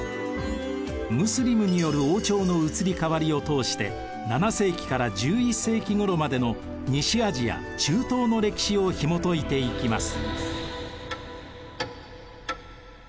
ムスリムによる王朝の移り変わりを通して７世紀から１１世紀ごろまでの西アジア・中東の歴史をひもといていきます。